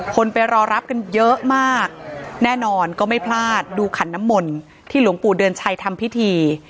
ไปรอรับกันเยอะมากแน่นอนก็ไม่พลาดดูขันน้ำมนต์ที่หลวงปู่เดือนชัยทำพิธี